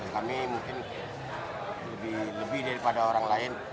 jadi kami mungkin lebih daripada orang lain